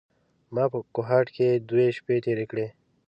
ما په کوهاټ کې دوې شپې تېرې کړې.